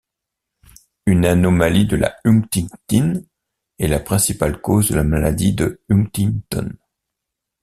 Une anomalie de la huntingtine est la principale cause de la maladie de Huntington.